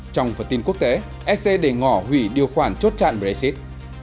trong phần tin quốc tế sc đề ngỏ hủy điều khoản chốt trạn brexit